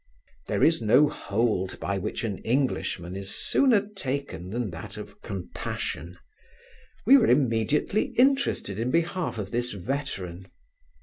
There is no hold by which an Englishman is sooner taken than that of compassion We were immediately interested in behalf of this veteran.